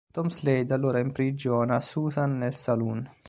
Tom Slade allora imprigiona Susan nel saloon.